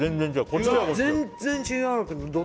全然違うね。